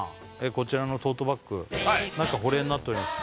こちらのトートバッグ中保冷になっております